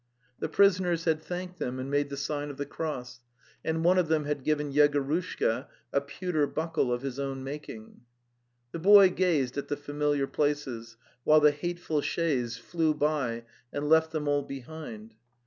The prisoners had thanked them and made the sign of the cross, and one of them had given Yegorushka a pewter buckle of his own making. The boy gazed at the familiar places, while the hateful chaise flew by and left them all behind.